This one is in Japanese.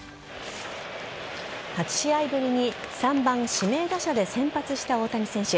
８試合ぶりに３番・指名打者で先発した大谷選手。